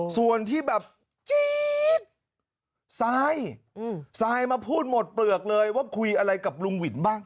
ส่วนที่แบบจี๊ดซายซายมาพูดหมดเปลือกเลยว่าคุยอะไรกับลุงหวินบ้าง